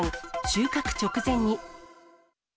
収穫直前に。